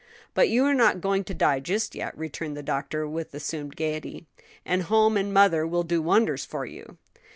"But you are not going to die just yet," returned the doctor, with assumed gayety; "and home and mother will do wonders for you."